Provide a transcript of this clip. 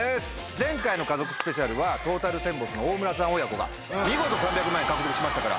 前回の家族ＳＰはトータルテンボスの大村さん親子が見事３００万円獲得しましたから。